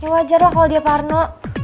ya wajar lah kalo dia parno